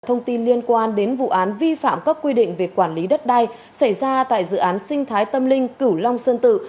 thông tin liên quan đến vụ án vi phạm các quy định về quản lý đất đai xảy ra tại dự án sinh thái tâm linh cửu long sơn tự